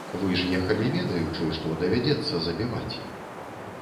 Вы ж ехалі, ведаючы, што давядзецца забіваць?